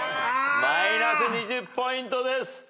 マイナス２０ポイントです。